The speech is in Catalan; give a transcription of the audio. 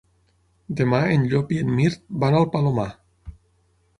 Demà en Llop i en Mirt van al Palomar.